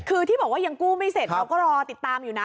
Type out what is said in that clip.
คือที่บอกว่ายังกู้ไม่เสร็จเราก็รอติดตามอยู่นะ